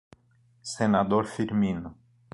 Senador Firmino